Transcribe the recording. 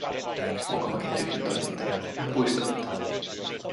Mokomakin tyhjäntoimittaja - ihan puistattaa.